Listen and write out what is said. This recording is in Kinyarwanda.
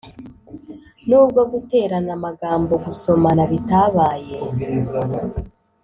nubwo guterana amagambo gusomana bitabaye